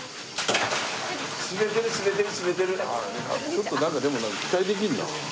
ちょっとなんかでも期待できるな。